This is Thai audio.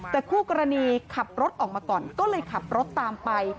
แต่คู่กรณีขับรถออกมาก่อนก็เลยขับรถตามไป